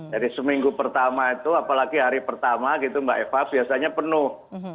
jadi seminggu pertama itu apalagi hari pertama gitu mbak eva biasanya penuh